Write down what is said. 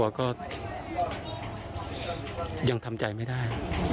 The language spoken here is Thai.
ก็ยังทำใจไม่ได้